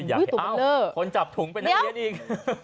เอ้าคนจับถุงเป็นนักเรียนอีก